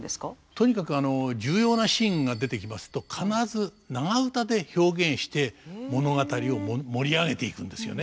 とにかく重要なシーンが出てきますと必ず長唄で表現して物語を盛り上げていくんですよね。